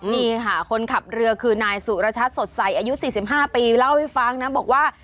นี่ค่ะคนขับเรือคือนายสุรชัดสดใสอายุ๔๕ปีเล่าให้ฟังนะบอกว่า